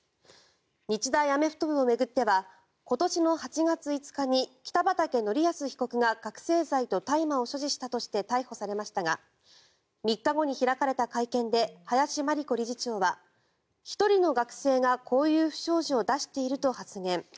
日大アメフト部を巡っては今年の８月５日に北畠成文被告が覚醒剤と大麻を所持したとして逮捕されましたが３日後に開かれた会見で林真理子理事長は１人の学生がこういう不祥事を出していると発言。